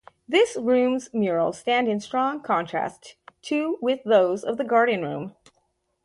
This room's murals stand in strong contrast to with those of the Garden Room.